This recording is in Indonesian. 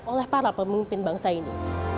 oleh para pemimpin bangsa ini